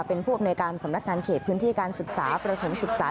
เป็นผู้อำนวยการสำนักงานเขตพื้นที่การศึกษาประถมศึกษา